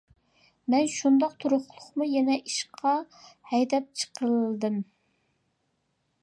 مەن شۇنداق تۇرۇقلۇقمۇ يەنە ئىشقا ھەيدەپ چىقىلدىم.